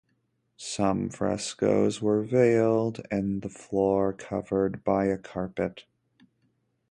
Some frescoes were veiled and the floor covered by a carpet.